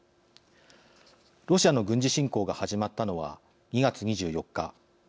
ロシアの軍事侵攻が始まったのは２月２４日。